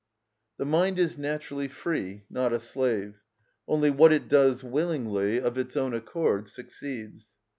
The mind is naturally free, not a slave; only what it does willingly, of its own accord, succeeds.